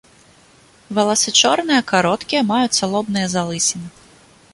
Валасы чорныя, кароткія, маюцца лобныя залысіны.